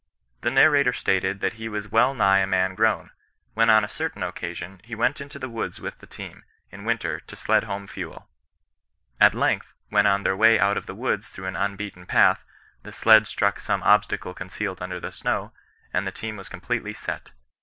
The narrator stated that he was well nigh a man grown, when on a certain occasion he went into the woods with the team, in winter, to sled home fuel. At length, when on their way out of the woods through an unbeaten path, the sled struck some obstacle concealed under the snow, and the team was completely set.